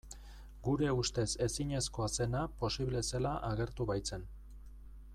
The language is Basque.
Gure ustez ezinezkoa zena posible zela agertu baitzen.